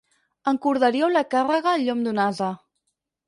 Encordaríeu la càrrega al llom d'un ase.